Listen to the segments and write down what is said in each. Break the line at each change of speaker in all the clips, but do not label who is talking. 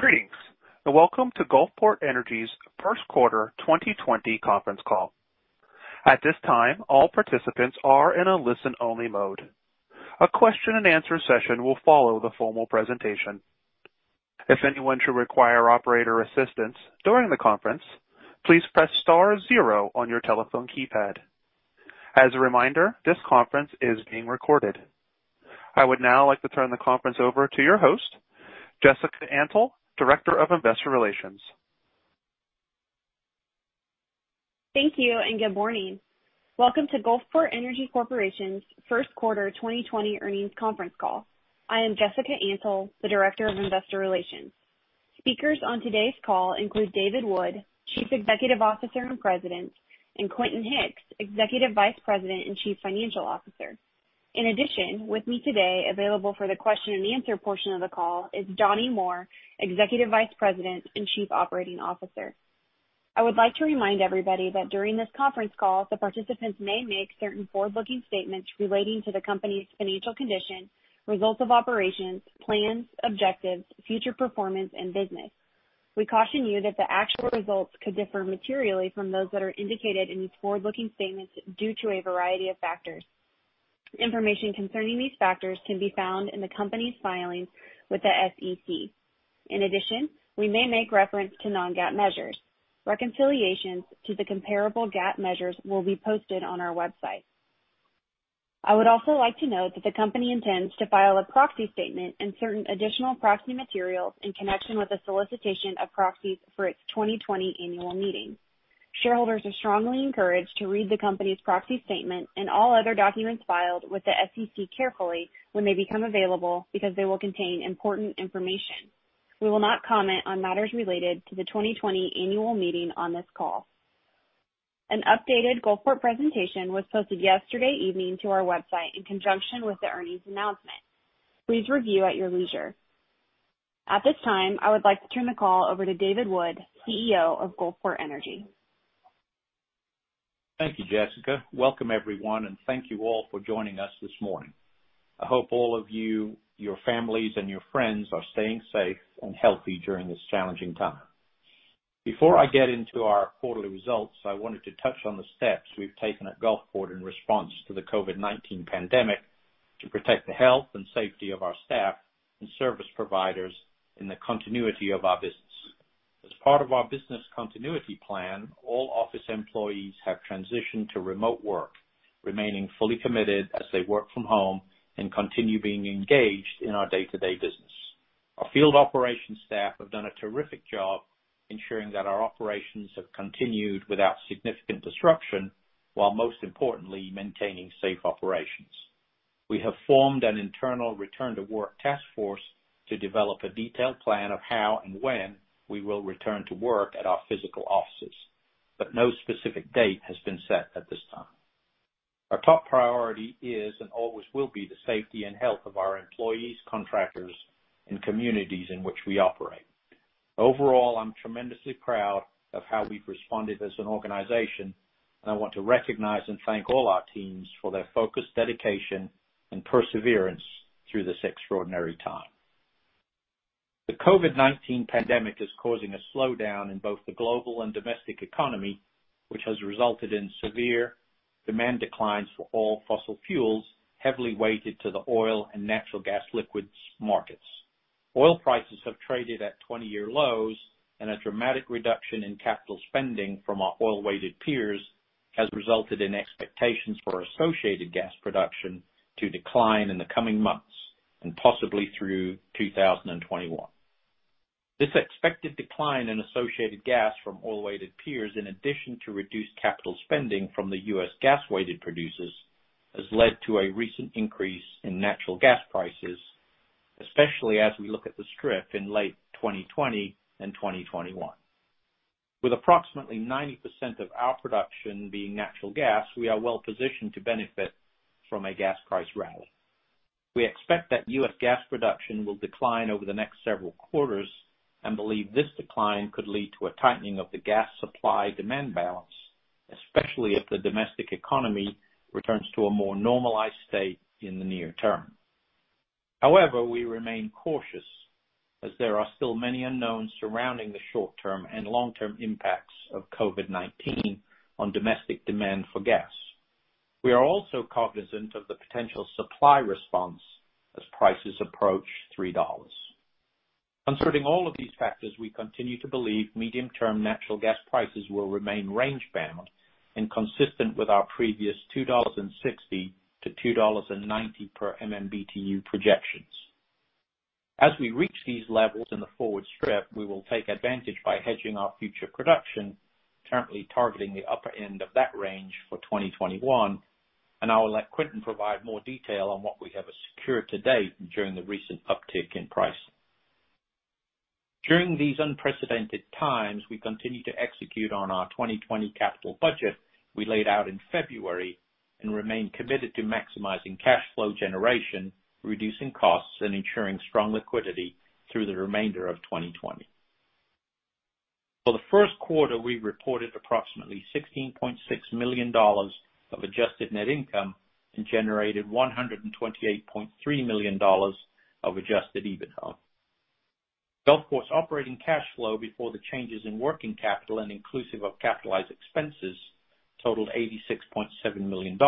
Greetings, and welcome to Gulfport Energy's First Quarter 2020 Conference Call. At this time, all participants are in a listen-only mode. A question and answer session will follow the formal presentation. If anyone should require operator assistance during the conference, please press star zero on your telephone keypad. As a reminder, this conference is being recorded. I would now like to turn the conference over to your host, Jessica Antle, Director of Investor Relations.
Thank you. Good morning. Welcome to Gulfport Energy Corporation's First Quarter 2020 Earnings Conference Call. I am Jessica Antle, the Director of Investor Relations. Speakers on today's call include David Wood, Chief Executive Officer and President, and Quentin Hicks, Executive Vice President and Chief Financial Officer. In addition, with me today, available for the question and answer portion of the call, is Donnie Moore, Executive Vice President and Chief Operating Officer. I would like to remind everybody that during this conference call, the participants may make certain forward-looking statements relating to the company's financial condition, results of operations, plans, objectives, future performance, and business. We caution you that the actual results could differ materially from those that are indicated in these forward-looking statements due to a variety of factors. Information concerning these factors can be found in the company's filings with the SEC. In addition, we may make reference to non-GAAP measures. Reconciliations to the comparable GAAP measures will be posted on our website. I would also like to note that the company intends to file a proxy statement and certain additional proxy materials in connection with the solicitation of proxies for its 2020 annual meeting. Shareholders are strongly encouraged to read the company's proxy statement and all other documents filed with the SEC carefully when they become available, because they will contain important information. We will not comment on matters related to the 2020 annual meeting on this call. An updated Gulfport presentation was posted yesterday evening to our website in conjunction with the earnings announcement. Please review at your leisure. At this time, I would like to turn the call over to David Wood, CEO of Gulfport Energy.
Thank you, Jessica. Welcome, everyone, and thank you all for joining us this morning. I hope all of you, your families, and your friends are staying safe and healthy during this challenging time. Before I get into our quarterly results, I wanted to touch on the steps we've taken at Gulfport in response to the COVID-19 pandemic to protect the health and safety of our staff and service providers and the continuity of our business. As part of our business continuity plan, all office employees have transitioned to remote work, remaining fully committed as they work from home and continue being engaged in our day-to-day business. Our field operations staff have done a terrific job ensuring that our operations have continued without significant disruption, while most importantly maintaining safe operations. We have formed an internal return-to-work task force to develop a detailed plan of how and when we will return to work at our physical offices. No specific date has been set at this time. Our top priority is and always will be the safety and health of our employees, contractors, and communities in which we operate. Overall, I'm tremendously proud of how we've responded as an organization, and I want to recognize and thank all our teams for their focused dedication and perseverance through this extraordinary time. The COVID-19 pandemic is causing a slowdown in both the global and domestic economy, which has resulted in severe demand declines for all fossil fuels, heavily weighted to the oil and natural gas liquids markets. Oil prices have traded at 20-year lows, and a dramatic reduction in capital spending from our oil-weighted peers has resulted in expectations for associated gas production to decline in the coming months and possibly through 2021. This expected decline in associated gas from oil-weighted peers, in addition to reduced capital spending from the U.S. gas-weighted producers, has led to a recent increase in natural gas prices, especially as we look at the strip in late 2020 and 2021. With approximately 90% of our production being natural gas, we are well-positioned to benefit from a gas price rally. We expect that U.S. gas production will decline over the next several quarters and believe this decline could lead to a tightening of the gas supply-demand balance, especially if the domestic economy returns to a more normalized state in the near term. However, we remain cautious as there are still many unknowns surrounding the short-term and long-term impacts of COVID-19 on domestic demand for gas. We are also cognizant of the potential supply response as prices approach $3. Concerning all of these factors, we continue to believe medium-term natural gas prices will remain range-bound and consistent with our previous $2.60-$2.90 per MMBtu projections. As we reach these levels in the forward strip, we will take advantage by hedging our future production, currently targeting the upper end of that range for 2021, and I will let Quentin provide more detail on what we have secured to date during the recent uptick in price. During these unprecedented times, we continue to execute on our 2020 capital budget we laid out in February and remain committed to maximizing cash flow generation, reducing costs, and ensuring strong liquidity through the remainder of 2020. For the first quarter, we reported approximately $16.6 million of adjusted net income and generated $128.3 million of adjusted EBITDA. Gulfport's operating cash flow before the changes in working capital and inclusive of capitalized expenses totaled $86.7 million,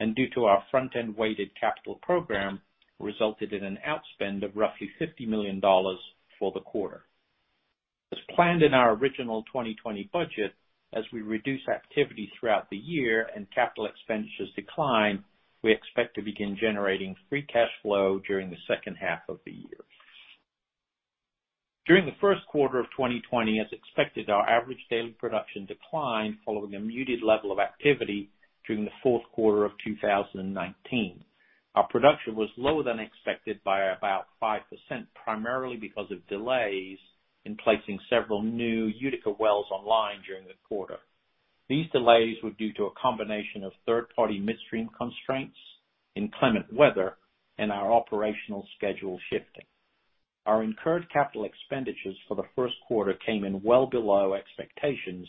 and due to our front-end-weighted capital program, resulted in an outspend of roughly $50 million for the quarter. As planned in our original 2020 budget, as we reduce activity throughout the year and capital expenditures decline, we expect to begin generating free cash flow during the second half of the year. During the first quarter of 2020, as expected, our average daily production declined following a muted level of activity during the fourth quarter of 2019. Our production was lower than expected by about 5%, primarily because of delays in placing several new Utica wells online during the quarter. These delays were due to a combination of third-party midstream constraints, inclement weather, and our operational schedule shifting. Our incurred capital expenditures for the first quarter came in well below expectations,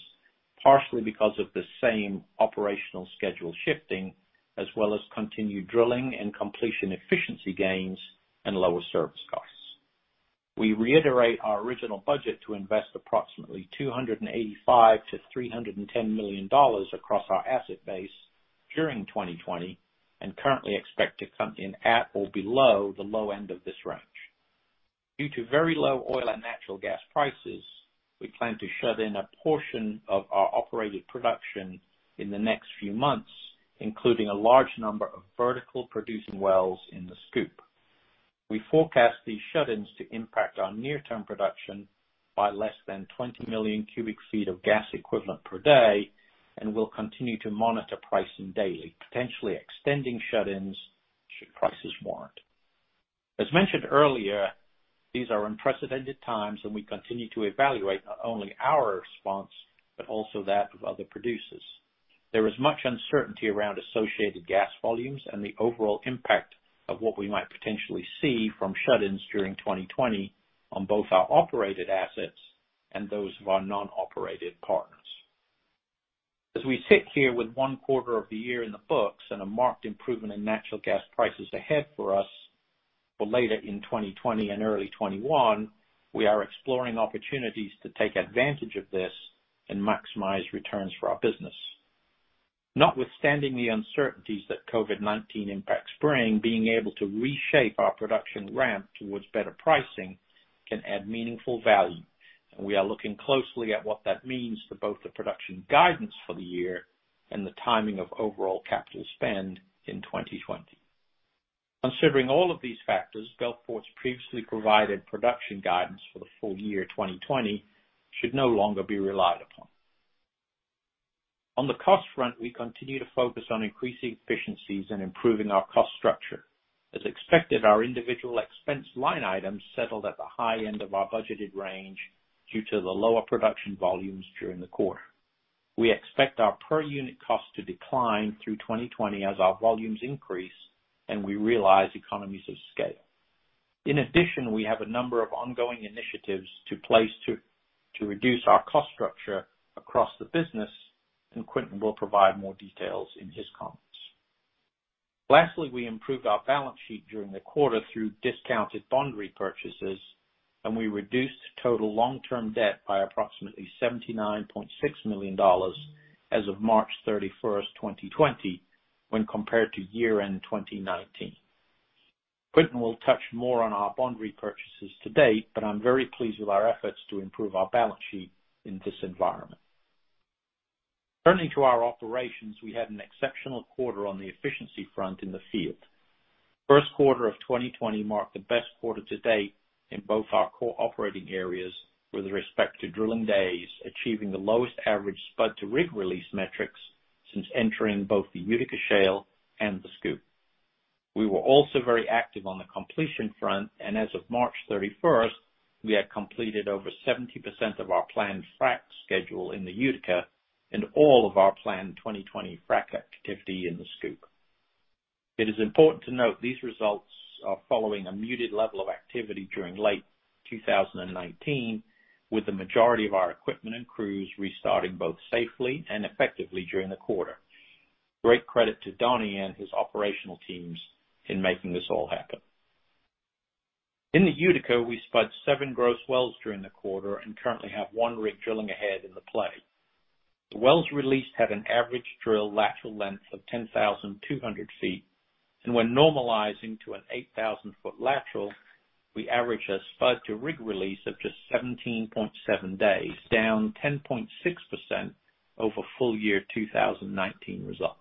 partially because of the same operational schedule shifting, as well as continued drilling and completion efficiency gains and lower service costs. We reiterate our original budget to invest approximately $285 million-$310 million across our asset base during 2020, and currently expect to come in at or below the low end of this range. Due to very low oil and natural gas prices, we plan to shut in a portion of our operated production in the next few months, including a large number of vertical producing wells in the SCOOP. We forecast these shut-ins to impact our near-term production by less than 20 million cubic feet of gas equivalent per day, and will continue to monitor pricing daily, potentially extending shut-ins should prices warrant. As mentioned earlier, these are unprecedented times, and we continue to evaluate not only our response, but also that of other producers. There is much uncertainty around associated gas volumes and the overall impact of what we might potentially see from shut-ins during 2020 on both our operated assets and those of our non-operated partners. As we sit here with one quarter of the year in the books and a marked improvement in natural gas prices ahead for us for later in 2020 and early 2021, we are exploring opportunities to take advantage of this and maximize returns for our business. Notwithstanding the uncertainties that COVID-19 impacts bring, being able to reshape our production ramp towards better pricing can add meaningful value, and we are looking closely at what that means to both the production guidance for the year and the timing of overall capital spend in 2020. Considering all of these factors, Gulfport's previously provided production guidance for the full year 2020 should no longer be relied upon. On the cost front, we continue to focus on increasing efficiencies and improving our cost structure. As expected, our individual expense line items settled at the high end of our budgeted range due to the lower production volumes during the quarter. We expect our per-unit cost to decline through 2020 as our volumes increase and we realize economies of scale. We have a number of ongoing initiatives to place to reduce our cost structure across the business. Quentin will provide more details in his comments. Lastly, we improved our balance sheet during the quarter through discounted bond repurchases. We reduced total long-term debt by approximately $79.6 million as of March 31st, 2020 when compared to year-end 2019. Quentin will touch more on our bond repurchases to date. I'm very pleased with our efforts to improve our balance sheet in this environment. Turning to our operations, we had an exceptional quarter on the efficiency front in the field. First quarter of 2020 marked the best quarter to date in both our core operating areas with respect to drilling days, achieving the lowest average spud to rig release metrics since entering both the Utica Shale and the SCOOP. We were also very active on the completion front, and as of March 31st, we had completed over 70% of our planned frac schedule in the Utica and all of our planned 2020 frac activity in the SCOOP. It is important to note these results are following a muted level of activity during late 2019, with the majority of our equipment and crews restarting both safely and effectively during the quarter. Great credit to Donnie and his operational teams in making this all happen. In the Utica, we spud seven gross wells during the quarter and currently have one rig drilling ahead in the play. The wells released had an average drill lateral length of 10,200 ft, and when normalizing to an 8,000-ft lateral, we average a spud to rig release of just 17.7 days, down 10.6% over full year 2019 results.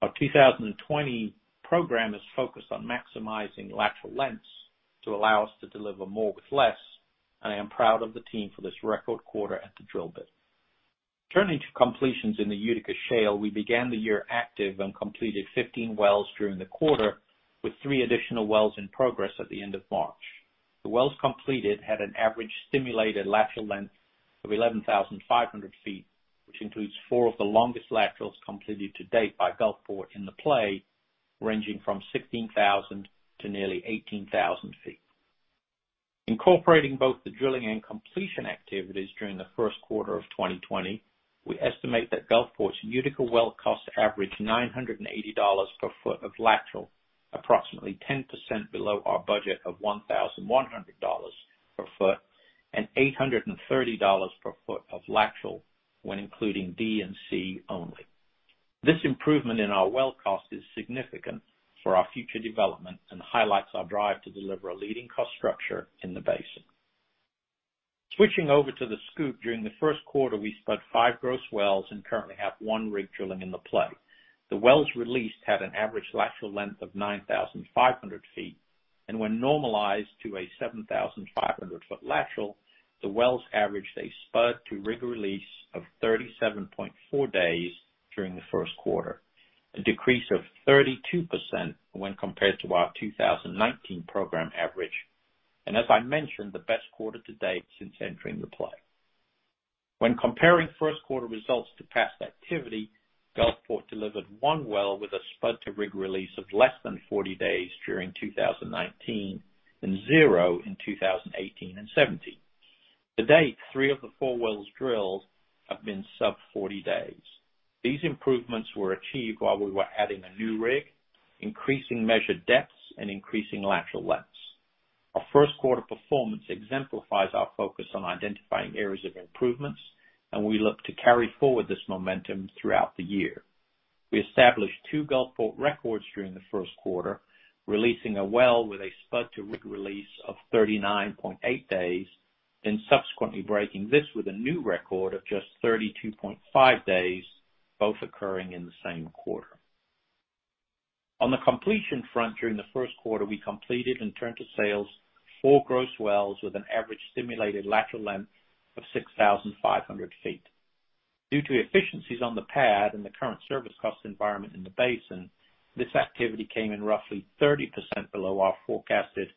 Our 2020 program is focused on maximizing lateral lengths to allow us to deliver more with less, and I am proud of the team for this record quarter at the drill bit. Turning to completions in the Utica Shale, we began the year active and completed 15 wells during the quarter, with three additional wells in progress at the end of March. The wells completed had an average stimulated lateral length of 11,500 ft, which includes four of the longest laterals completed to date by Gulfport in the play. Ranging from 16,000 ft to nearly 18,000 ft. Incorporating both the drilling and completion activities during the first quarter of 2020, we estimate that Gulfport's Utica well costs average $980 per foot of lateral, approximately 10% below our budget of $1,100 per foot and $830 per foot of lateral when including D&C only. This improvement in our well cost is significant for our future development and highlights our drive to deliver a leading cost structure in the basin. Switching over to the SCOOP, during the first quarter, we spudded five gross wells and currently have one rig drilling in the play. The wells released had an average lateral length of 9,500 ft and when normalized to a 7,500-ft lateral, the wells averaged a spud to rig release of 37.4 days during the first quarter, a decrease of 32% when compared to our 2019 program average. As I mentioned, the best quarter to date since entering the play. When comparing first-quarter results to past activity, Gulfport delivered one well with a spud to rig release of less than 40 days during 2019 and zero in 2018 and 2017. To date, three of the four wells drilled have been sub 40 days. These improvements were achieved while we were adding a new rig, increasing measured depths, and increasing lateral lengths. Our first-quarter performance exemplifies our focus on identifying areas of improvements. We look to carry forward this momentum throughout the year. We established two Gulfport records during the first quarter, releasing a well with a spud to rig release of 39.8 days and subsequently breaking this with a new record of just 32.5 days, both occurring in the same quarter. On the completion front, during the first quarter, we completed and turned to sales four gross wells with an average stimulated lateral length of 6,500 ft. Due to efficiencies on the pad and the current service cost environment in the basin, this activity came in roughly 30% below our forecasted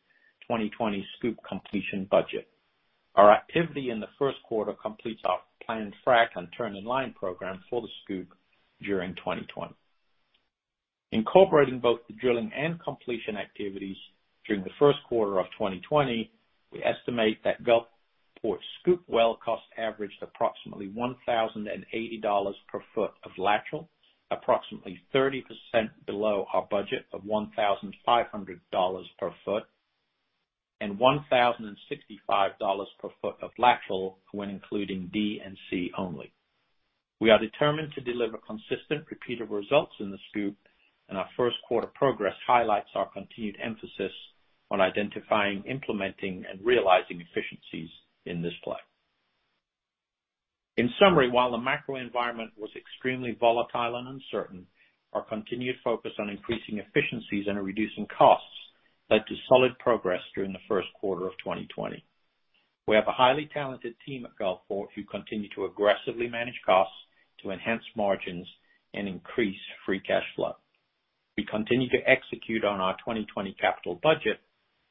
2020 SCOOP completion budget. Our activity in the first quarter completes our planned frac and turn in line program for the SCOOP during 2020. Incorporating both the drilling and completion activities during the first quarter of 2020, we estimate that Gulfport's SCOOP well cost averaged approximately $1,080 per foot of lateral, approximately 30% below our budget of $1,500 per foot and $1,065 per foot of lateral when including D&C only. We are determined to deliver consistent, repeatable results in the SCOOP, and our first-quarter progress highlights our continued emphasis on identifying, implementing, and realizing efficiencies in this play. In summary, while the macro environment was extremely volatile and uncertain, our continued focus on increasing efficiencies and reducing costs led to solid progress during the first quarter of 2020. We have a highly talented team at Gulfport who continue to aggressively manage costs to enhance margins and increase free cash flow. We continue to execute on our 2020 capital budget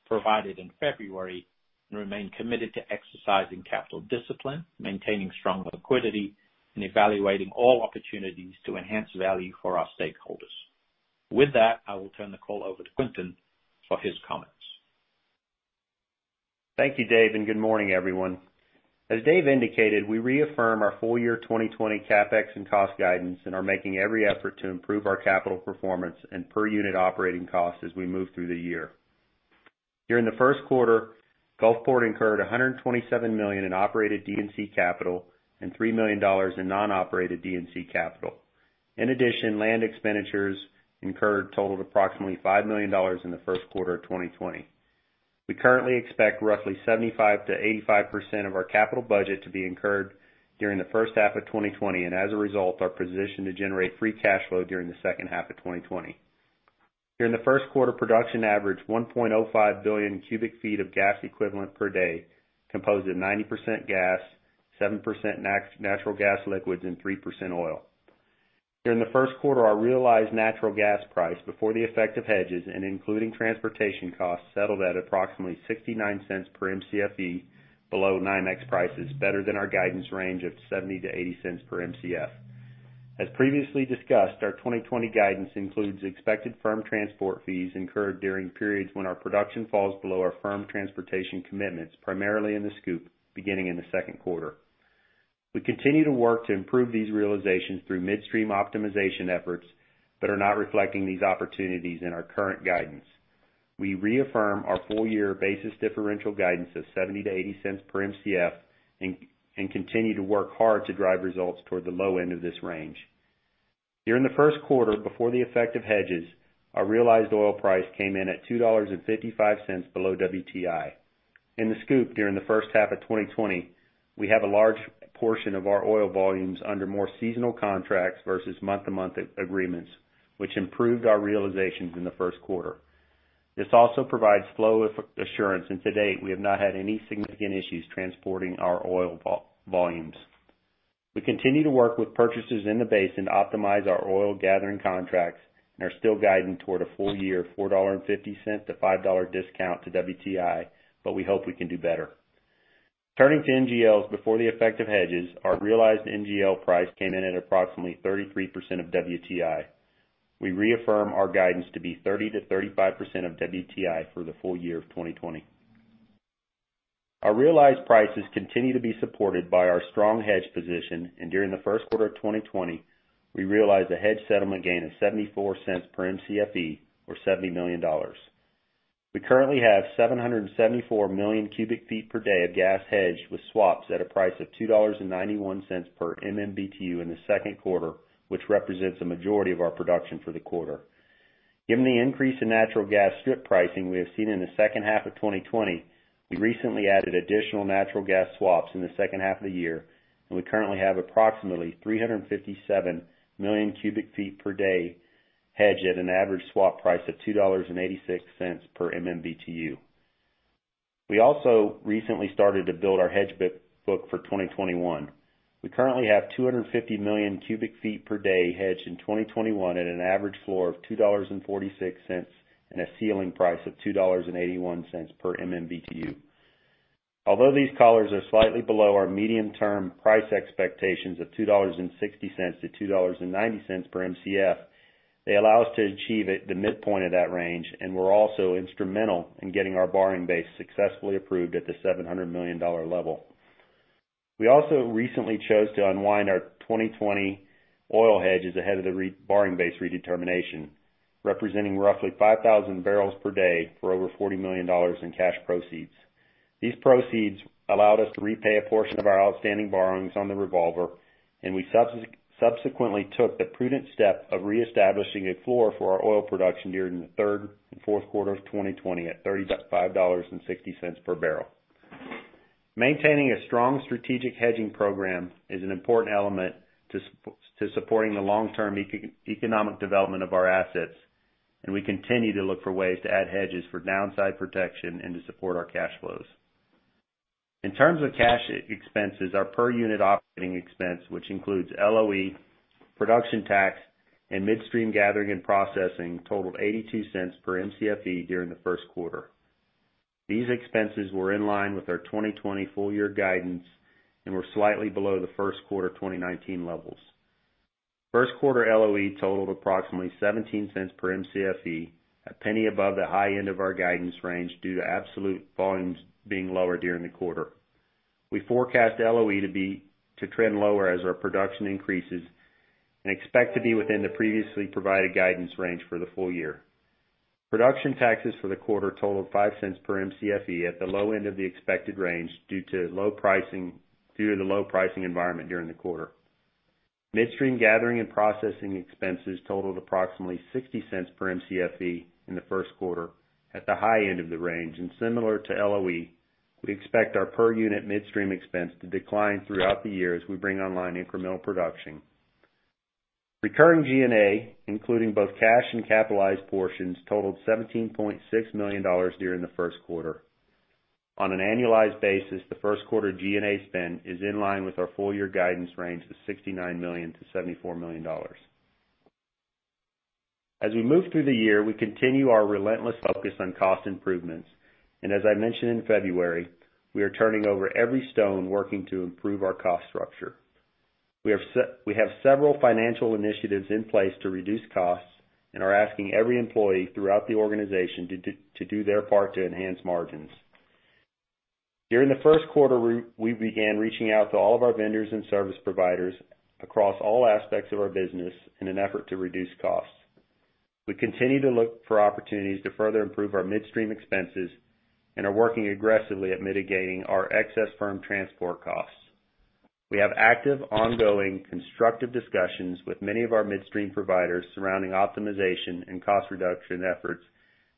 provided in February and remain committed to exercising capital discipline, maintaining strong liquidity, and evaluating all opportunities to enhance value for our stakeholders. With that, I will turn the call over to Quentin for his comments.
Thank you, Dave, and good morning, everyone. As Dave indicated, we reaffirm our full year 2020 CapEx and cost guidance and are making every effort to improve our capital performance and per-unit operating costs as we move through the year. During the first quarter, Gulfport incurred $127 million in operated D&C capital and $3 million in non-operated D&C capital. In addition, land expenditures incurred totaled approximately $5 million in the first quarter of 2020. We currently expect roughly 75%-85% of our capital budget to be incurred during the first half of 2020, and as a result, are positioned to generate free cash flow during the second half of 2020. During the first quarter, production averaged 1.05 billion cubic feet of gas equivalent per day, composed of 90% gas, 7% natural gas liquids, and 3% oil. During the first quarter, our realized natural gas price before the effect of hedges and including transportation costs settled at approximately $0.69 per Mcfe below NYMEX prices, better than our guidance range of $0.70-$0.80 per Mcf. As previously discussed, our 2020 guidance includes expected firm transport fees incurred during periods when our production falls below our firm transportation commitments, primarily in the SCOOP, beginning in the second quarter. We continue to work to improve these realizations through midstream optimization efforts but are not reflecting these opportunities in our current guidance. We reaffirm our full-year basis differential guidance of $0.70-$0.80 per Mcf and continue to work hard to drive results toward the low end of this range. During the first quarter, before the effect of hedges, our realized oil price came in at $2.55 below WTI. In the SCOOP, during the first half of 2020, we have a large portion of our oil volumes under more seasonal contracts versus month-to-month agreements, which improved our realizations in the first quarter. This also provides flow assurance, and to date, we have not had any significant issues transporting our oil volumes. We continue to work with purchasers in the basin to optimize our oil gathering contracts and are still guiding toward a full-year $4.50-$5 discount to WTI, but we hope we can do better. Turning to NGLs before the effect of hedges, our realized NGL price came in at approximately 33% of WTI. We reaffirm our guidance to be 30%-35% of WTI for the full year of 2020. Our realized prices continue to be supported by our strong hedge position, and during the first quarter of 2020, we realized a hedge settlement gain of $0.74 per Mcfe, or $70 million. We currently have 774 million cubic feet per day of gas hedged with swaps at a price of $2.91 per MMBtu in the second quarter, which represents a majority of our production for the quarter. Given the increase in natural gas strip pricing we have seen in the second half of 2020, we recently added additional natural gas swaps in the second half of the year, and we currently have approximately 357 million cubic feet per day hedged at an average swap price of $2.86 per MMBtu. We also recently started to build our hedge book for 2021. We currently have 250 million cubic feet per day hedged in 2021 at an average floor of $2.46 and a ceiling price of $2.81 per MMBtu. Although these collars are slightly below our medium-term price expectations of $2.60-$2.90 per Mcf, they allow us to achieve the midpoint of that range and were also instrumental in getting our borrowing base successfully approved at the $700 million level. We also recently chose to unwind our 2020 oil hedges ahead of the borrowing base redetermination, representing roughly 5,000 bpd for over $40 million in cash proceeds. These proceeds allowed us to repay a portion of our outstanding borrowings on the revolver, and we subsequently took the prudent step of reestablishing a floor for our oil production during the third and fourth quarter of 2020 at $35.60 per barrel. Maintaining a strong strategic hedging program is an important element to supporting the long-term economic development of our assets, and we continue to look for ways to add hedges for downside protection and to support our cash flows. In terms of cash expenses, our per-unit operating expense, which includes LOE, production tax, and midstream gathering and processing, totaled $0.82 per Mcfe during the first quarter. These expenses were in line with our 2020 full-year guidance and were slightly below the first quarter 2019 levels. First quarter LOE totaled approximately $0.17 per Mcfe, $0.01 above the high end of our guidance range due to absolute volumes being lower during the quarter. We forecast LOE to trend lower as our production increases and expect to be within the previously provided guidance range for the full year. Production taxes for the quarter totaled $0.05 per Mcfe at the low end of the expected range due to the low pricing environment during the quarter. Midstream gathering and processing expenses totaled approximately $0.60 per Mcfe in the first quarter at the high end of the range. Similar to LOE, we expect our per-unit midstream expense to decline throughout the year as we bring online incremental production. Recurring G&A, including both cash and capitalized portions, totaled $17.6 million during the first quarter. On an annualized basis, the first quarter G&A spend is in line with our full year guidance range of $69 million-$74 million. As we move through the year, we continue our relentless focus on cost improvements. As I mentioned in February, we are turning over every stone working to improve our cost structure. We have several financial initiatives in place to reduce costs and are asking every employee throughout the organization to do their part to enhance margins. During the first quarter, we began reaching out to all of our vendors and service providers across all aspects of our business in an effort to reduce costs. We continue to look for opportunities to further improve our midstream expenses and are working aggressively at mitigating our excess firm transport costs. We have active, ongoing, constructive discussions with many of our midstream providers surrounding optimization and cost reduction efforts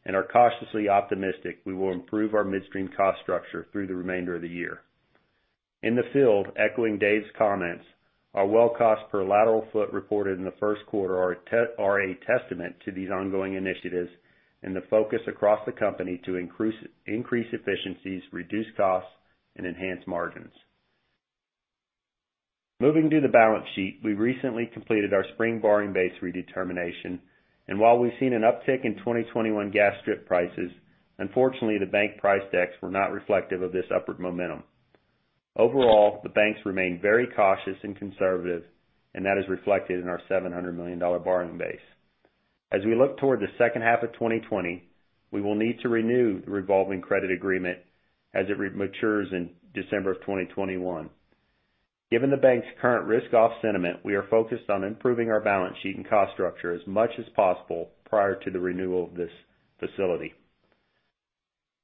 and are cautiously optimistic we will improve our midstream cost structure through the remainder of the year. In the field, echoing Dave's comments, our well cost per lateral foot reported in the first quarter are a testament to these ongoing initiatives and the focus across the company to increase efficiencies, reduce costs, and enhance margins. Moving to the balance sheet, we recently completed our spring borrowing base redetermination, and while we've seen an uptick in 2021 gas strip prices, unfortunately, the bank price decks were not reflective of this upward momentum. Overall, the banks remained very cautious and conservative, and that is reflected in our $700 million borrowing base. As we look toward the second half of 2020, we will need to renew the revolving credit agreement as it matures in December of 2021. Given the bank's current risk-off sentiment, we are focused on improving our balance sheet and cost structure as much as possible prior to the renewal of this facility.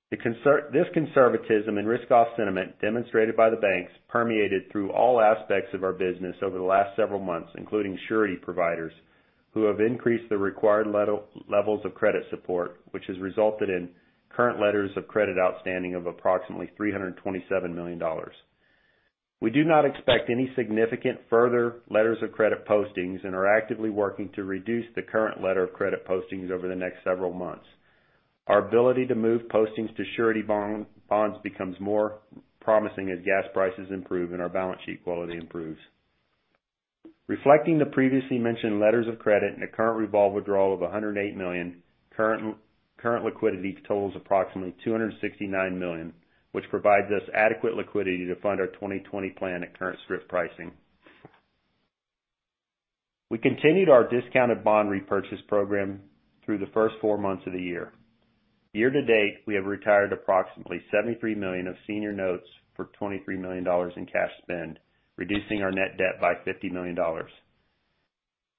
This conservatism and risk-off sentiment demonstrated by the banks permeated through all aspects of our business over the last several months, including surety providers, who have increased the required levels of credit support, which has resulted in current letters of credit outstanding of approximately $327 million. We do not expect any significant further letters of credit postings and are actively working to reduce the current letter of credit postings over the next several months. Our ability to move postings to surety bonds becomes more promising as gas prices improve and our balance sheet quality improves. Reflecting the previously mentioned letters of credit and a current revolver draw of $108 million, current liquidity totals approximately $269 million, which provides us adequate liquidity to fund our 2020 plan at current strip pricing. We continued our discounted bond repurchase program through the first four months of the year. Year to date, we have retired approximately $73 million of senior notes for $23 million in cash spend, reducing our net debt by $50 million.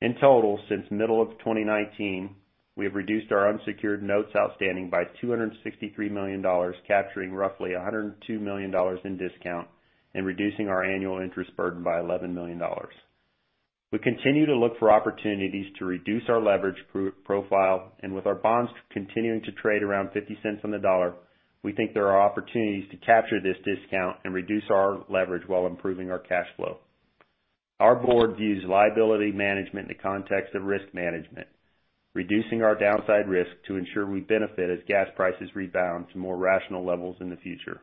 In total, since middle of 2019, we have reduced our unsecured notes outstanding by $263 million, capturing roughly $102 million in discount and reducing our annual interest burden by $11 million. We continue to look for opportunities to reduce our leverage profile, and with our bonds continuing to trade around $0.50 on the dollar, we think there are opportunities to capture this discount and reduce our leverage while improving our cash flow. Our board views liability management in the context of risk management, reducing our downside risk to ensure we benefit as gas prices rebound to more rational levels in the future.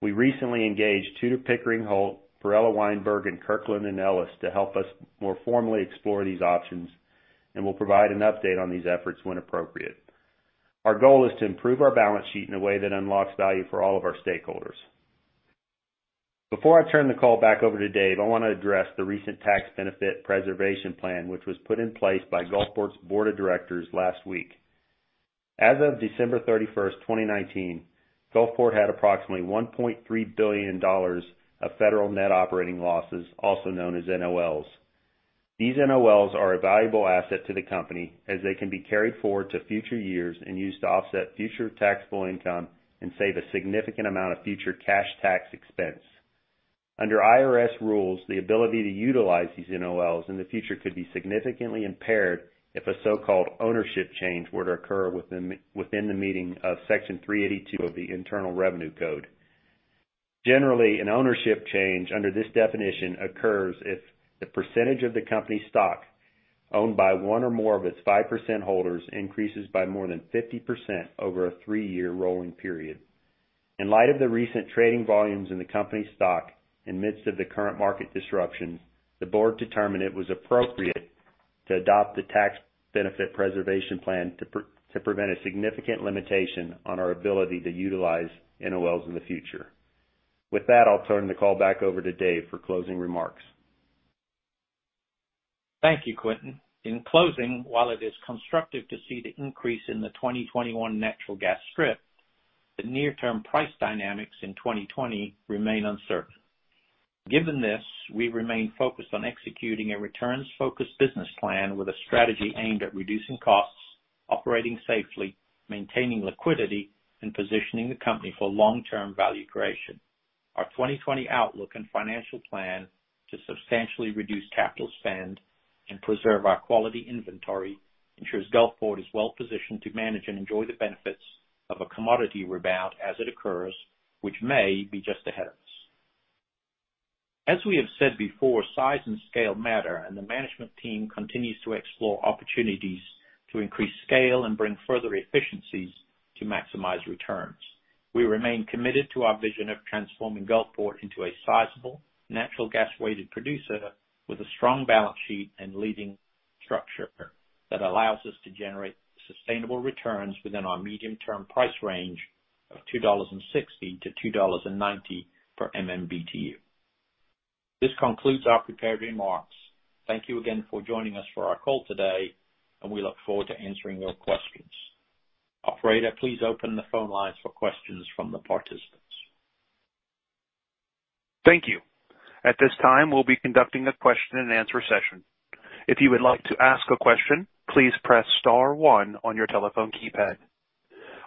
We recently engaged Tudor, Pickering, Holt, Perella Weinberg, and Kirkland & Ellis to help us more formally explore these options, and we'll provide an update on these efforts when appropriate. Our goal is to improve our balance sheet in a way that unlocks value for all of our stakeholders. Before I turn the call back over to Dave, I want to address the recent tax benefit preservation plan, which was put in place by Gulfport's Board of Directors last week. As of December 31st, 2019, Gulfport had approximately $1.3 billion of federal net operating losses, also known as NOLs. These NOLs are a valuable asset to the company as they can be carried forward to future years and used to offset future taxable income and save a significant amount of future cash tax expense. Under IRS rules, the ability to utilize these NOLs in the future could be significantly impaired if a so-called ownership change were to occur within the meaning of Section 382 of the Internal Revenue Code. Generally, an ownership change under this definition occurs if the percentage of the company's stock owned by one or more of its 5% holders increases by more than 50% over a three-year rolling period. In light of the recent trading volumes in the company's stock in midst of the current market disruptions, the board determined it was appropriate to adopt the tax benefit preservation plan to prevent a significant limitation on our ability to utilize NOLs in the future. With that, I'll turn the call back over to Dave for closing remarks.
Thank you, Quentin. In closing, while it is constructive to see the increase in the 2021 natural gas strip, the near-term price dynamics in 2020 remain uncertain. Given this, we remain focused on executing a returns-focused business plan with a strategy aimed at reducing costs, operating safely, maintaining liquidity, and positioning the company for long-term value creation. Our 2020 outlook and financial plan to substantially reduce capital spend and preserve our quality inventory ensures Gulfport is well positioned to manage and enjoy the benefits of a commodity rebound as it occurs, which may be just ahead of us. As we have said before, size and scale matter, and the management team continues to explore opportunities to increase scale and bring further efficiencies to maximize returns. We remain committed to our vision of transforming Gulfport into a sizable, natural gas-weighted producer with a strong balance sheet and leading structure that allows us to generate sustainable returns within our medium-term price range of $2.60-$2.90 per MMBtu. This concludes our prepared remarks. Thank you again for joining us for our call today, and we look forward to answering your questions. Operator, please open the phone lines for questions from the participants.
Thank you. At this time, we'll be conducting a question and answer session. If you would like to ask a question, please press star one on your telephone keypad.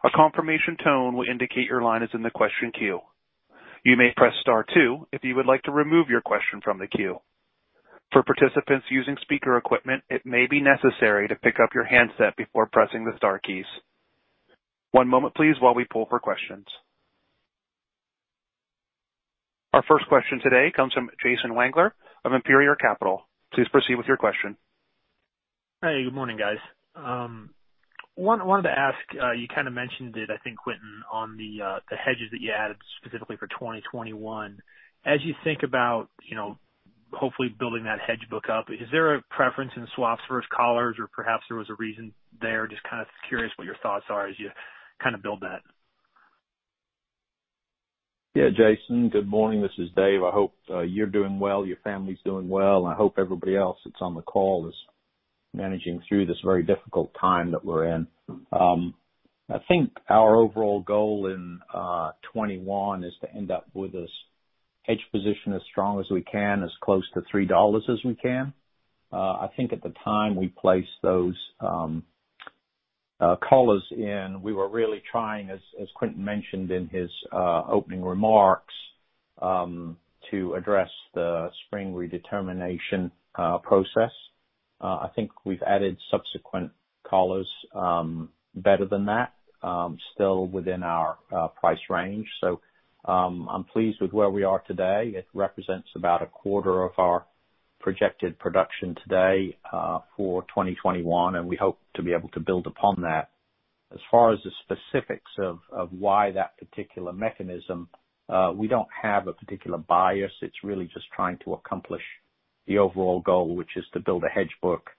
A confirmation tone will indicate your line is in the question queue. You may press star two if you would like to remove your question from the queue. For participants using speaker equipment, it may be necessary to pick up your handset before pressing the star keys. One moment please while we pull for questions. Our first question today comes from Jason Wangler of Imperial Capital. Please proceed with your question.
Hey, good morning, guys. I wanted to ask, you kind of mentioned it, I think, Quentin, on the hedges that you added specifically for 2021. As you think about hopefully building that hedge book up, is there a preference in swaps versus collars, or perhaps there was a reason there? I'm just kind of curious what your thoughts are as you build that.
Jason, good morning. This is Dave. I hope you're doing well, your family's doing well, and I hope everybody else that's on the call is managing through this very difficult time that we're in. I think our overall goal in 2021 is to end up with this hedge position as strong as we can, as close to $3 as we can. I think at the time we placed those collars in, we were really trying, as Quentin mentioned in his opening remarks, to address the spring redetermination process. I think we've added subsequent collars better than that, still within our price range. I'm pleased with where we are today. It represents about a quarter of our projected production today for 2021, and we hope to be able to build upon that. As far as the specifics of why that particular mechanism, we don't have a particular bias. It's really just trying to accomplish the overall goal, which is to build a hedge book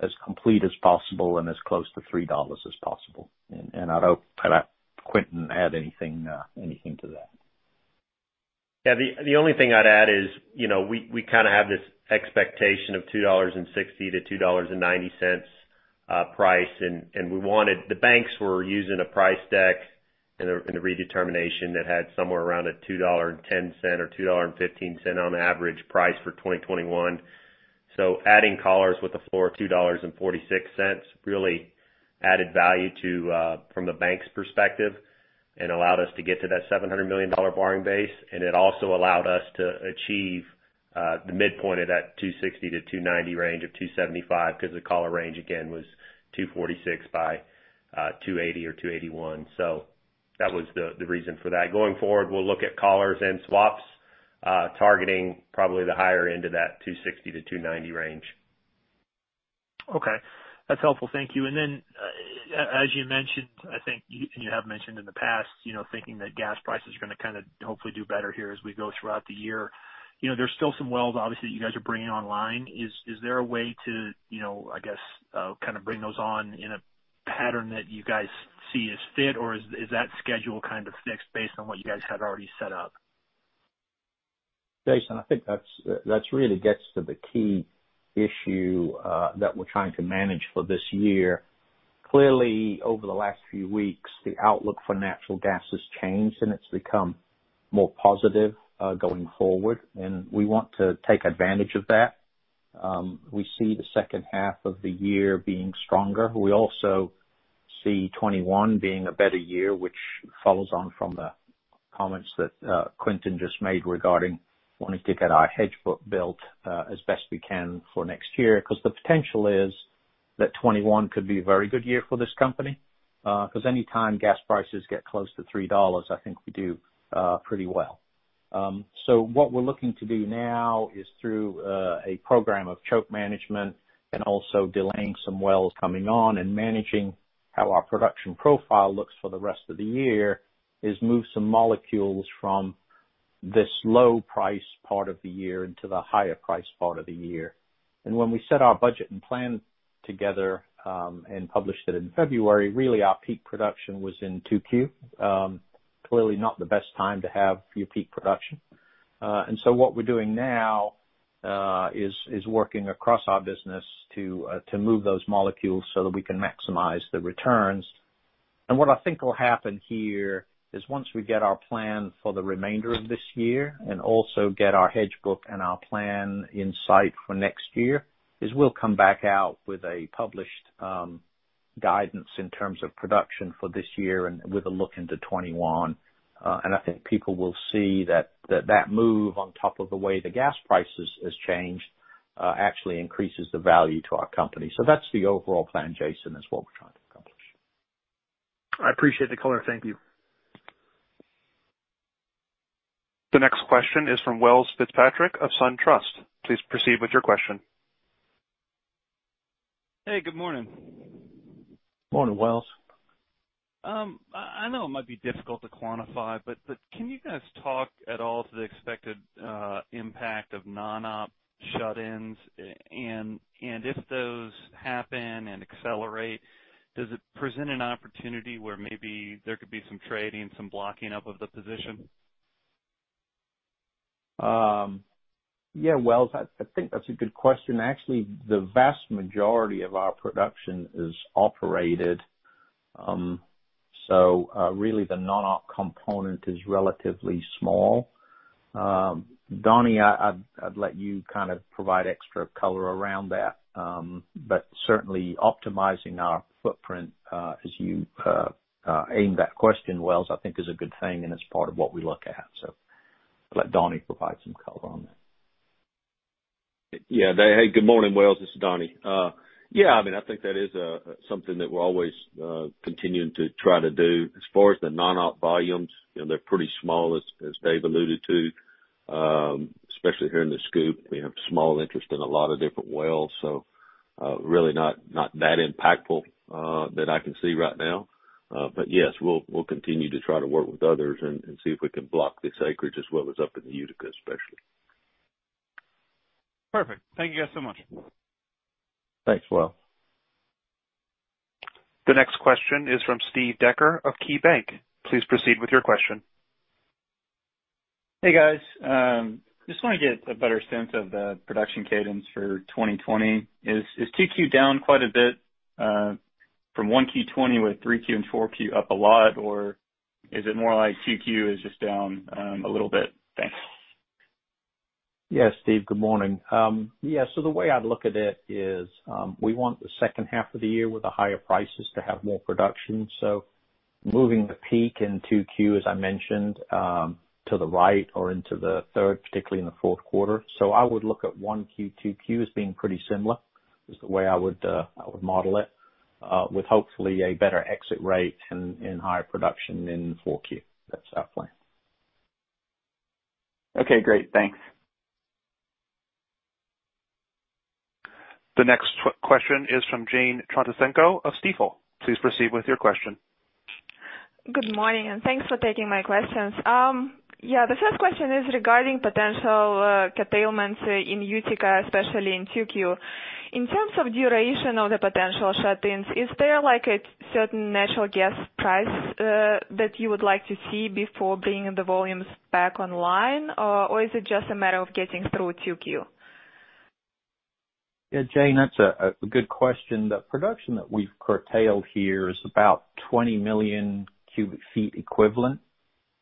as complete as possible and as close to $3 as possible. I'd ask Quentin to add anything to that.
Yeah, the only thing I'd add is, we have this expectation of $2.60-$2.90 price. The banks were using a price deck in the redetermination that had somewhere around a $2.10 or $2.15 on average price for 2021. Adding collars with a floor of $2.46 really added value to, from the bank's perspective, and allowed us to get to that $700 million borrowing base. It also allowed us to achieve the midpoint of that $2.60-$2.90 range of $2.75, because the collar range, again, was $2.46 by $2.80 or $2.81. That was the reason for that. Going forward, we'll look at collars and swaps, targeting probably the higher end of that $2.60-$2.90 range.
That's helpful. Thank you. As you mentioned, I think, and you have mentioned in the past, thinking that gas prices are going to kind of hopefully do better here as we go throughout the year. There's still some wells, obviously, that you guys are bringing online. Is there a way to, I guess, kind of bring those on in a pattern that you guys see as fit, or is that schedule kind of fixed based on what you guys had already set up?
Jason, I think that really gets to the key issue that we're trying to manage for this year. Clearly, over the last few weeks, the outlook for natural gas has changed, and it's become more positive, going forward. We want to take advantage of that. We see the second half of the year being stronger. We also see 2021 being a better year, which follows on from the comments that Quentin just made regarding wanting to get our hedge book built as best we can for next year. Because the potential is that 2021 could be a very good year for this company. Because any time gas prices get close to $3, I think we do pretty well. What we're looking to do now is through a program of choke management and also delaying some wells coming on and managing how our production profile looks for the rest of the year is move some molecules from this low price part of the year into the higher price part of the year. When we set our budget and plan together, and published it in February, really our peak production was in 2Q. Clearly not the best time to have your peak production. What we're doing now is working across our business to move those molecules so that we can maximize the returns. What I think will happen here is once we get our plan for the remainder of this year and also get our hedge book and our plan in sight for next year, is we'll come back out with a published guidance in terms of production for this year and with a look into 2021. I think people will see that move on top of the way the gas prices has changed actually increases the value to our company. That's the overall plan, Jason, is what we're trying to accomplish.
I appreciate the color. Thank you.
The next question is from Welles Fitzpatrick of SunTrust. Please proceed with your question.
Hey, good morning.
Morning, Welles.
I know it might be difficult to quantify, but can you guys talk at all to the expected impact of non-op shut-ins? And if those happen and accelerate, does it present an opportunity where maybe there could be some trading, some blocking up of the position?
Yeah, Welles, I think that's a good question. Actually, the vast majority of our production is operated. Really the non-op component is relatively small. Donnie, I'd let you kind of provide extra color around that. Certainly optimizing our footprint, as you aimed that question, Welles, I think is a good thing, and it's part of what we look at. I'll let Donnie provide some color on that.
Good morning, Welles, this is Donnie. I think that is something that we're always continuing to try to do. As far as the non-op volumes, they're pretty small, as Dave alluded to. Especially here in the SCOOP. We have small interest in a lot of different wells, so really not that impactful that I can see right now. Yes, we'll continue to try to work with others and see if we can block this acreage as well as up in the Utica, especially.
Perfect. Thank you guys so much.
Thanks, Welles.
The next question is from Steve Decker of KeyBanc. Please proceed with your question.
Hey, guys. Just want to get a better sense of the production cadence for 2020. Is 2Q down quite a bit from 1Q 2020 with 3Q and 4Q up a lot, or is it more like 2Q is just down a little bit? Thanks.
Yeah, Steve, good morning. Yeah, the way I'd look at it is, we want the second half of the year with the higher prices to have more production. Moving the peak in 2Q, as I mentioned, to the right or into the third, particularly in the fourth quarter. I would look at 1Q, 2Q as being pretty similar, is the way I would model it, with hopefully a better exit rate and higher production in 4Q. That's our plan.
Okay, great. Thanks.
The next question is from Jane Trotsenko of Stifel. Please proceed with your question.
Good morning. Thanks for taking my questions. The first question is regarding potential curtailments in Utica, especially in 2Q. In terms of duration of the potential shut-ins, is there a certain natural gas price that you would like to see before bringing the volumes back online? Is it just a matter of getting through 2Q?
Yeah, Jane, that's a good question. The production that we've curtailed here is about 20 million cubic feet equivalent.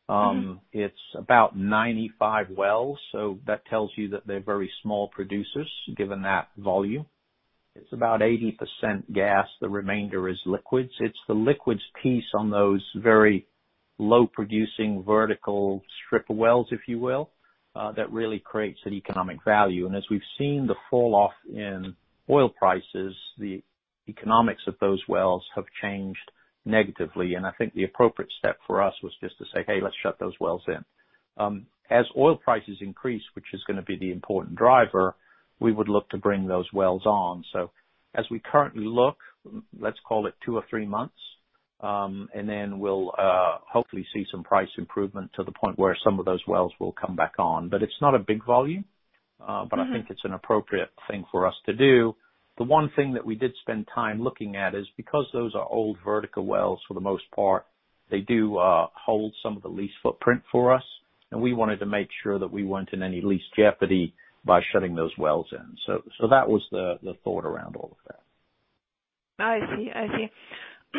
It's about 95 wells. That tells you that they're very small producers, given that volume. It's about 80% gas. The remainder is liquids. It's the liquids piece on those very low-producing vertical stripper wells, if you will, that really creates that economic value. As we've seen the fall-off in oil prices, the economics of those wells have changed negatively. I think the appropriate step for us was just to say, "Hey, let's shut those wells in." As oil prices increase, which is going to be the important driver, we would look to bring those wells on. As we currently look, let's call it two or three months, and then we'll hopefully see some price improvement to the point where some of those wells will come back on. It's not a big volume. I think it's an appropriate thing for us to do. The one thing that we did spend time looking at is because those are old vertical wells, for the most part, they do hold some of the lease footprint for us, and we wanted to make sure that we weren't in any lease jeopardy by shutting those wells in. That was the thought around all of that.
I see.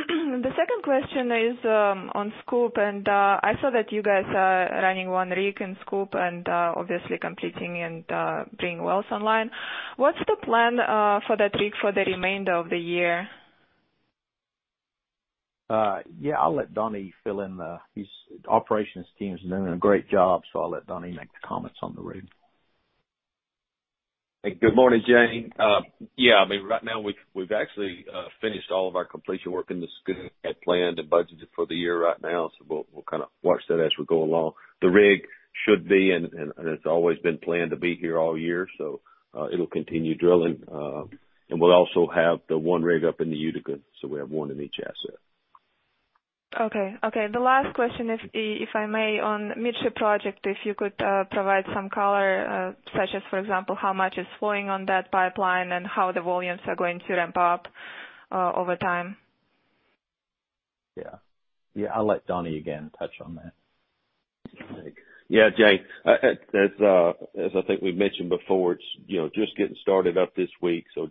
The second question is on SCOOP, and I saw that you guys are running one rig in SCOOP and obviously completing and bringing wells online. What's the plan for that rig for the remainder of the year?
Yeah, his operations team's doing a great job, so I'll let Donnie make the comments on the rig.
Good morning, Jane. Yeah, right now we've actually finished all of our completion work in the SCOOP as planned and budgeted for the year right now, so we'll watch that as we go along. The rig should be, and has always been planned to be here all year, so it'll continue drilling. We'll also have the one rig up in the Utica, so we have one in each asset.
Okay. The last question is, if I may, on Midship project, if you could provide some color, such as, for example, how much is flowing on that pipeline and how the volumes are going to ramp up over time.
Yeah. I'll let Donnie, again, touch on that.
Yeah, Jane. As I think we've mentioned before, it's just getting started up this week, so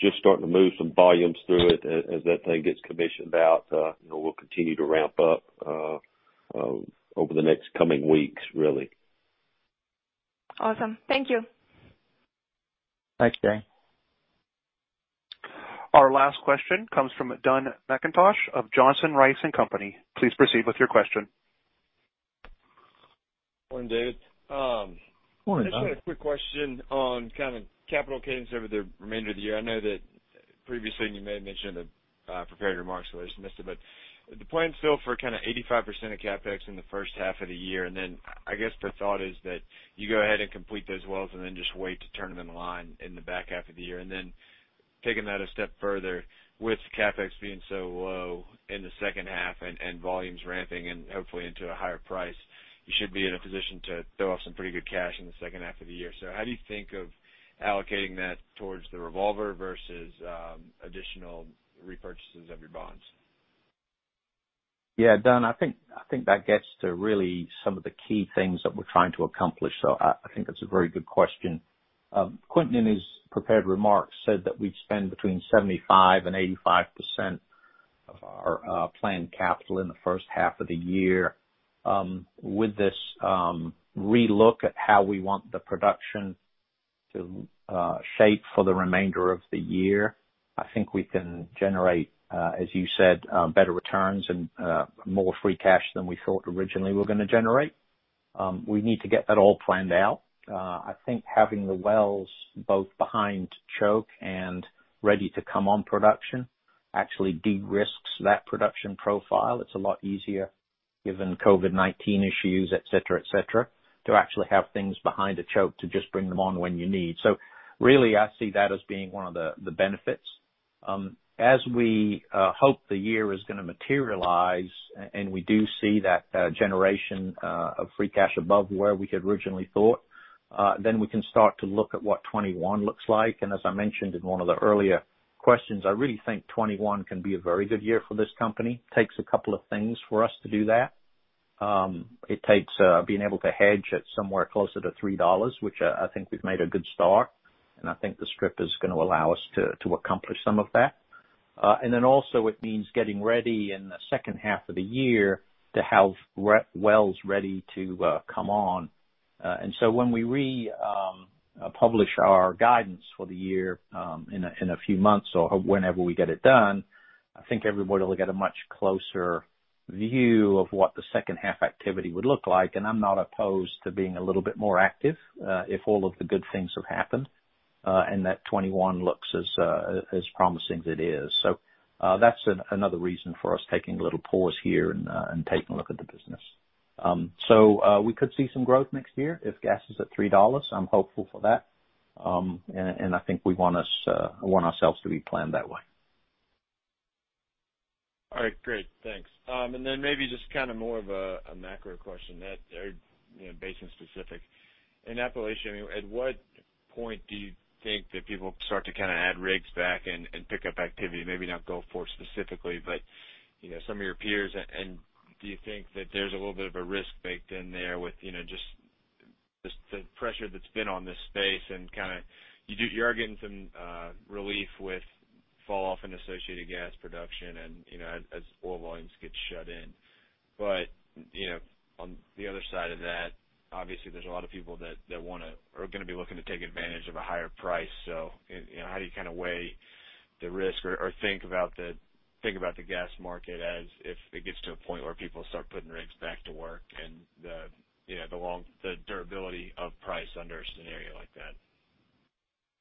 just starting to move some volumes through it. As that thing gets commissioned out, we'll continue to ramp up over the next coming weeks, really.
Awesome. Thank you.
Thanks, Jane.
Our last question comes from Dun McIntosh of Johnson Rice & Company. Please proceed with your question.
Morning, David.
Morning, Dun.
Just had a quick question on capital cadence over the remainder of the year. I know that previously you may have mentioned the prepared remarks, so I just missed it, but the plan's still for 85% of CapEx in the first half of the year, and then I guess the thought is that you go ahead and complete those wells and then just wait to turn them online in the back half of the year. Taking that a step further, with CapEx being so low in the second half and volumes ramping and hopefully into a higher price, you should be in a position to throw off some pretty good cash in the second half of the year. How do you think of allocating that towards the revolver versus additional repurchases of your bonds?
Yeah, Dun, I think that gets to really some of the key things that we're trying to accomplish. I think that's a very good question. Quentin, in his prepared remarks, said that we'd spend between 75% and 85% of our planned capital in the first half of the year. With this relook at how we want the production to shape for the remainder of the year, I think we can generate, as you said, better returns and more free cash than we thought originally we're going to generate. We need to get that all planned out. I think having the wells both behind choke and ready to come on production actually de-risks that production profile. It's a lot easier given COVID-19 issues, et cetera, to actually have things behind a choke to just bring them on when you need. Really, I see that as being one of the benefits. As we hope the year is going to materialize, and we do see that generation of free cash above where we had originally thought, then we can start to look at what 2021 looks like. As I mentioned in one of the earlier questions, I really think 2021 can be a very good year for this company. Takes a couple of things for us to do that. It takes being able to hedge at somewhere closer to $3, which I think we've made a good start, and I think the strip is going to allow us to accomplish some of that. Then also it means getting ready in the second half of the year to have wells ready to come on. When we republish our guidance for the year in a few months or whenever we get it done, I think everybody will get a much closer view of what the second half activity would look like. I'm not opposed to being a little bit more active if all of the good things have happened, and that 2021 looks as promising as it is. That's another reason for us taking a little pause here and taking a look at the business. We could see some growth next year if gas is at $3. I'm hopeful for that. I think we want ourselves to be planned that way.
All right, great. Thanks. Maybe just more of a macro question that are basin specific. In Appalachia, at what point do you think that people start to add rigs back and pick up activity? Maybe not Gulfport specifically, but some of your peers. Do you think that there's a little bit of a risk baked in there with just the pressure that's been on this space and you are getting some relief with falloff in associated gas production and as oil volumes get shut in? On the other side of that, obviously there's a lot of people that want to or are going to be looking to take advantage of a higher price. How do you weigh the risk or think about the gas market as if it gets to a point where people start putting rigs back to work and the durability of price under a scenario like that?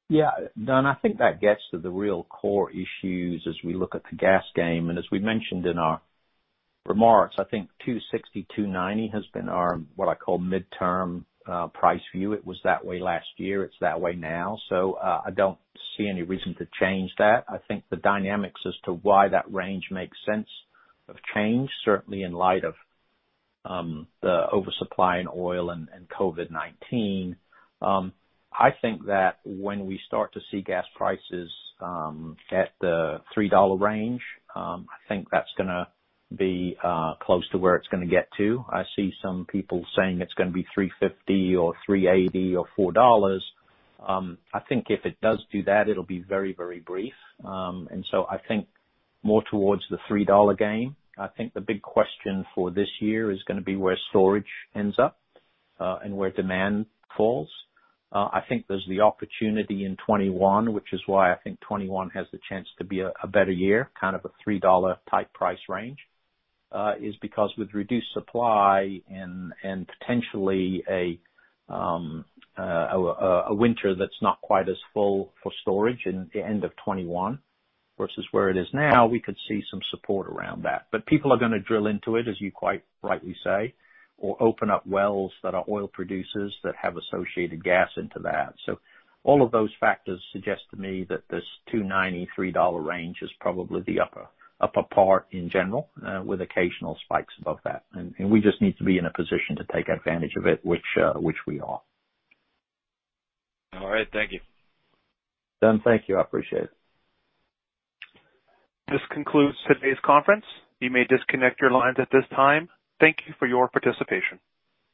Yeah. Dun, I think that gets to the real core issues as we look at the gas game. As we mentioned in our remarks, I think $2.60, $2.90 has been our, what I call midterm price view. It was that way last year. It's that way now. I don't see any reason to change that. I think the dynamics as to why that range makes sense have changed, certainly in light of the oversupply in oil and COVID-19. I think that when we start to see gas prices at the $3 range, I think that's going to be close to where it's going to get to. I see some people saying it's going to be $3.50 or $3.80 or $4.00. I think if it does do that, it'll be very brief. I think more towards the $3.00 game. I think the big question for this year is going to be where storage ends up, and where demand falls. I think there's the opportunity in 2021, which is why I think 2021 has the chance to be a better year, kind of a $3.00 type price range, is because with reduced supply and potentially a winter that's not quite as full for storage in the end of 2021 versus where it is now, we could see some support around that. People are going to drill into it, as you quite rightly say, or open up wells that are oil producers that have associated gas into that. All of those factors suggest to me that this $2.90-$3.00 range is probably the upper part in general, with occasional spikes above that. We just need to be in a position to take advantage of it, which we are.
All right. Thank you.
Dun, thank you. I appreciate it.
This concludes today's conference. You may disconnect your lines at this time. Thank you for your participation.